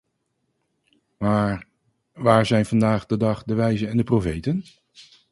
Maar waar zijn vandaag de dag de wijzen en de profeten?